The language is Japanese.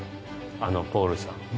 あのポールさん。